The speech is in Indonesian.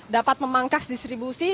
dapat memangkas distribusi